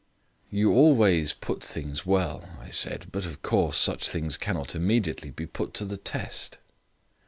"You always put things well," I said, "but, of course, such things cannot immediately be put to the test."